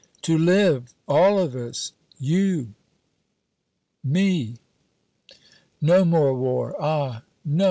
"To live!" "All of us!" "You!" "Me!" "No more war ah, no!